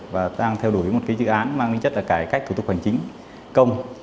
và đang theo đuổi một cái dự án mang đến chất là cải cách thủ tục hoàn chính công